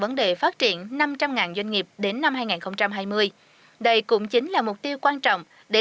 vấn đề phát triển năm trăm linh doanh nghiệp đến năm hai nghìn hai mươi đây cũng chính là mục tiêu quan trọng để